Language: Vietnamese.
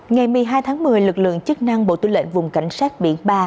ngày một mươi hai tháng một mươi lực lượng chức năng bộ tư lệnh vùng cảnh sát biển ba